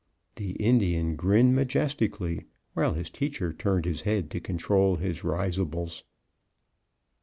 The Indian grinned majestically, while his teacher turned his head to control his risibles.